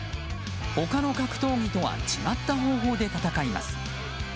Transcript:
他の格闘技とは違った方法で戦います。